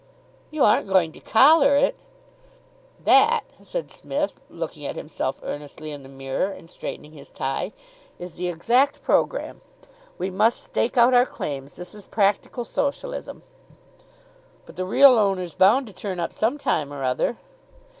"You aren't going to collar it!" "That," said Psmith, looking at himself earnestly in the mirror, and straightening his tie, "is the exact programme. We must stake out our claims. This is practical Socialism." "But the real owner's bound to turn up some time or other."